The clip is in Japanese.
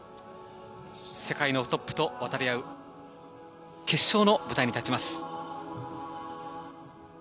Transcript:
世界のトップと渡り合う決勝の舞台に立ちます。